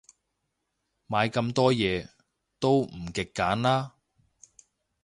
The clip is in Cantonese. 買咁多嘢，都唔極簡啦